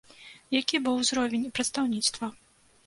Якім быў узровень прадстаўніцтва?